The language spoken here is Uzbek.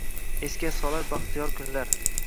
Esga solar baxtiyor kunlar.